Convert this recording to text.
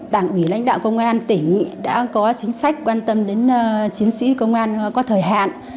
đảng ủy lãnh đạo công an tỉnh đã có chính sách quan tâm đến chiến sĩ công an có thời hạn